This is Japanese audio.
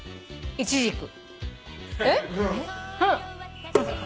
イチジク。